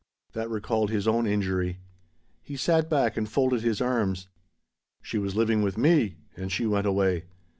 That recalled his own injury. He sat back and folded his arms. "She was living with me and she went away.